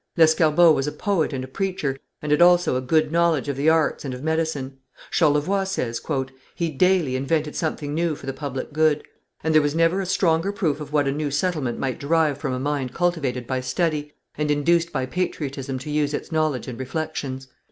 Lescarbot was a poet and a preacher, and had also a good knowledge of the arts and of medicine. Charlevoix says: "He daily invented something new for the public good. And there was never a stronger proof of what a new settlement might derive from a mind cultivated by study, and induced by patriotism to use its knowledge and reflections.